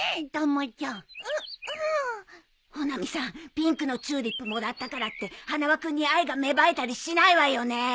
ピンクのチューリップもらったからって花輪君に愛が芽生えたりしないわよねえ。